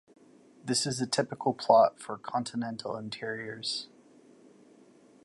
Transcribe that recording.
This is a typical plot for continental interiors.